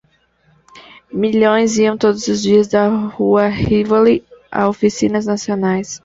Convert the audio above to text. Milhões iam todos os dias da rua Rivoli a oficinas nacionais.